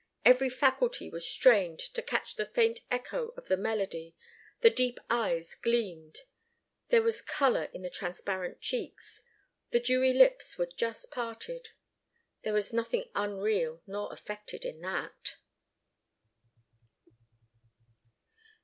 Every faculty was strained to catch the faint echo of the melody, the deep eyes gleamed, there was colour in the transparent cheeks, the dewy lips were just parted. There was nothing unreal nor affected in that.